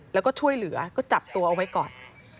แล้วก็ช่วยเหลือก็จับตัวเอาไว้ก่อน